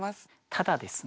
ただですね